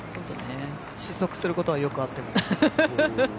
失速することはよくあっても。